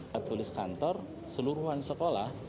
tentulis kantor seluruhan sekolah